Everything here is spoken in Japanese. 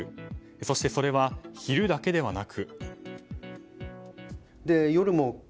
そしてそれは昼だけではなく。